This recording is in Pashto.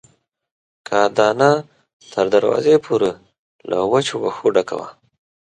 کاه دانه تر دروازې پورې له وچو وښو ډکه وه.